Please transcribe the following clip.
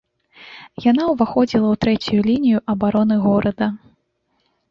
Яна ўваходзіла ў трэцюю лінію абароны горада.